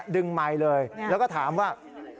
ไมค์เลยแล้วก็ถามว่า